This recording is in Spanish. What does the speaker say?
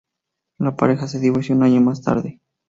La pareja se divorció un año más tarde.